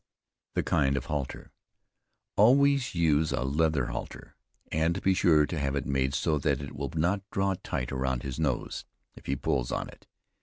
THE KIND OF HALTER. Always use a leather halter, and be sure to have it made so that it will not draw tight around his nose if he pulls on it.